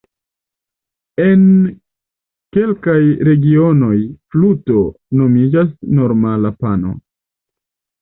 En kelkaj regionoj 'fluto' nomiĝas normala 'pano'.